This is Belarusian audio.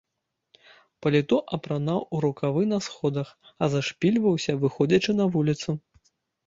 Паліто апранаў у рукавы на сходах, а зашпільваўся выходзячы на вуліцу.